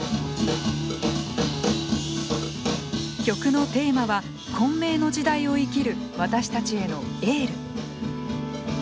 曲のテーマは混迷の時代を生きる私たちへのエール。